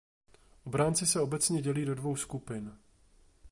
Obránci se obecně dělí do dvou skupin.